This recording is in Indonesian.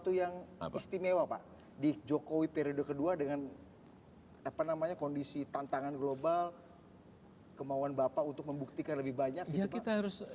itu yang istimewa pak di jokowi periode kedua dengan kondisi tantangan global kemauan bapak untuk membuktikan lebih banyak gitu